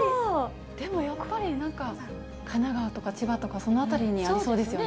でもやっぱり、なんか神奈川とか千葉とか、その辺りにありそうですよね。